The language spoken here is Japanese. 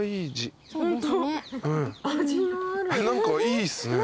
何かいいっすね。